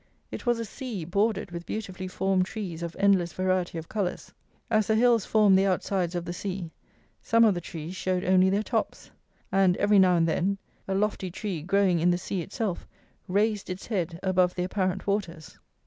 It was a sea bordered with beautifully formed trees of endless variety of colours. As the hills formed the outsides of the sea, some of the trees showed only their tops; and, every now and then, a lofty tree growing in the sea itself raised its head above the apparent waters.